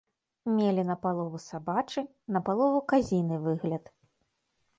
Мелі напалову сабачы, напалову казіны выгляд.